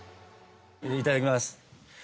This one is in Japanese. いただきます。